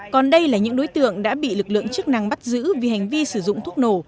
còn đây là những đối tượng đã bị lực lượng chức năng bắt giữ vì hành vi sử dụng thuốc nổ